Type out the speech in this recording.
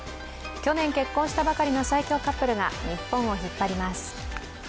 去年結婚したばかりの最強カップルが日本を引っ張ります。